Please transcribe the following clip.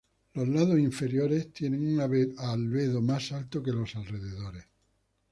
Los lados interiores tienen un albedo más alto que los alrededores.